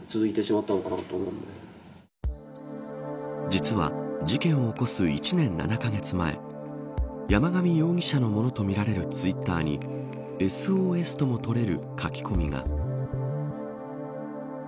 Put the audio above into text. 実は事件を起こす１年７カ月前山上容疑者のものとみられるツイッターにＳＯＳともとれる書き込みが。